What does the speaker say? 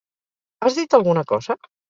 Has dit alguna cosa?